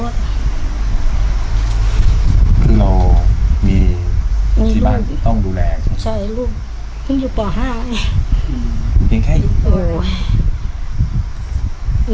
เรามีที่บ้านต้องดูแลใช่ลูกคงอยู่ป่าห้าอ่ะยังไงโอ้ย